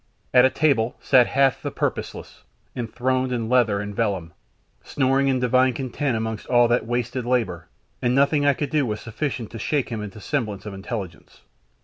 At a table sat Hath the purposeless, enthroned in leather and vellum, snoring in divine content amongst all that wasted labour, and nothing I could do was sufficient to shake him into semblance of intelligence.